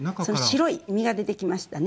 白い実が出てきましたね。